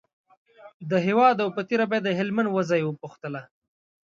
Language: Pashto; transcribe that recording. د هېواد او په تېره بیا د هلمند وضعه یې پوښتله.